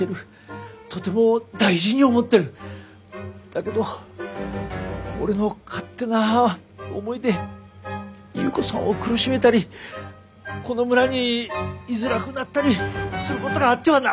だけど俺の勝手な思いで優子さんを苦しめたりこの村にいづらくなったりすることがあってはならんさぁ。